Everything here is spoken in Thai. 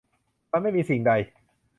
มันไม่มีสิ่งใด